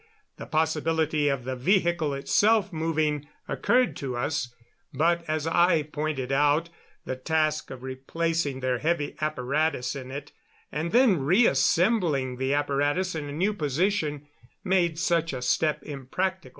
The possibility of the vehicle itself moving occurred to us; but, as I pointed out, the task of replacing their heavy apparatus in it, and then reassembling the apparatus in a new position, made such a step impractical.